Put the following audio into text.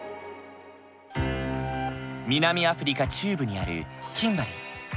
南アフリカ中部にあるキンバリー。